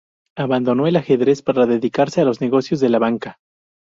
Abandonó el ajedrez para dedicarse a los negocios de la banca.